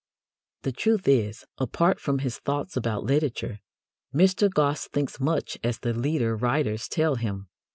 The truth is, apart from his thoughts about literature, Mr. Gosse thinks much as the leader writers tell him.